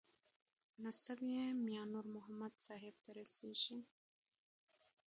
نسب یې میانور محمد صاحب ته رسېږي.